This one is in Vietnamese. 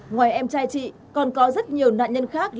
ngoài em trai chị còn có rất nhiều nạn nhân khác